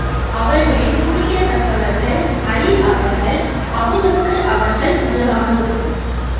அவர்களில் குறிப்பிடத்தக்கவர்கள் அலி அவர்கள், அபூபக்கர் அவர்கள் முதலானோர்.